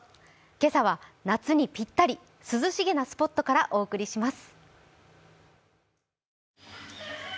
今朝は夏にぴったり、涼しげなスポットからお送りします。